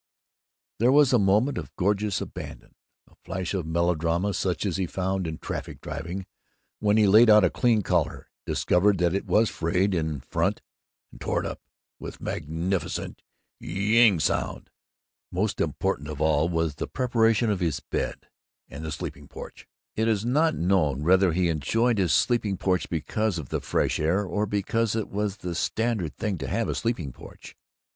There was a moment of gorgeous abandon, a flash of melodrama such as he found in traffic driving, when he laid out a clean collar, discovered that it was frayed in front, and tore it up with a magnificent yeeeeeing sound. Most important of all was the preparation of his bed and the sleeping porch. It is not known whether he enjoyed his sleeping porch because of the fresh air or because it was the standard thing to have a sleeping porch.